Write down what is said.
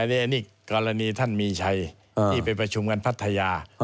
อันนี้กรณีท่านมีชัยที่ไปประชุมกันพัทยา